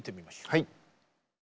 はい。